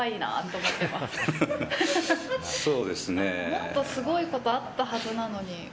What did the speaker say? もっとすごいことあったはずなのに。